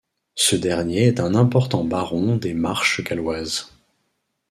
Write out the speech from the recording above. Ce dernier est un important baron des Marches galloises.